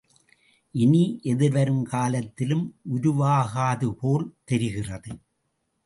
இனி எதிர்வரும் காலத்திலும் உருவாகாதுபோல் தெரிகிறது.